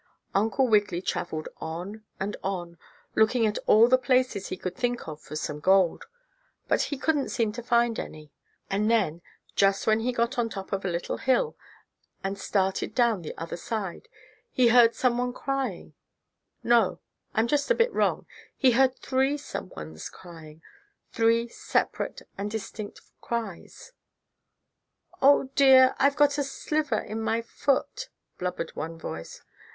Uncle Wiggily traveled on and on, looking in all the places he could think of for some gold, but he couldn't seem to find any. And then, just when he got on top of a little hill, and started down the other side he heard some one crying no, I'm just a bit wrong, he heard three some ones crying three separate and distinct cries. "Oh, dear, I've got a sliver in my foot!" blubbered one voice.